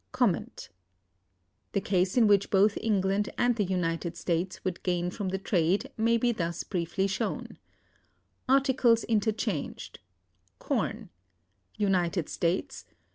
(262) The case in which both England and the United States would gain from the trade may be thus briefly shown: Articles United States.